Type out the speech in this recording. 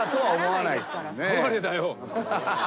哀れだよ。